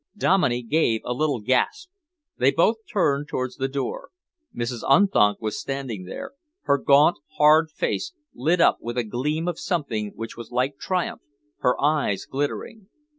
Dominey gave a little gasp. They both turned towards the door. Mrs. Unthank was standing there, her gaunt, hard face lit up with a gleam of something which was like triumph, her eyes glittering.